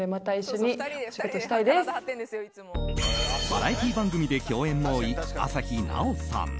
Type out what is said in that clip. バラエティー番組で共演も多い朝日奈央さん。